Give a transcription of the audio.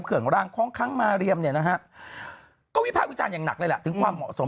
เครื่องรางของค้างมาเรียมเนี่ยนะฮะก็วิภาควิจารณ์อย่างหนักเลยล่ะถึงความเหมาะสม